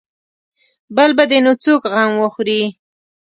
بل به دې نو څوک غم وخوري.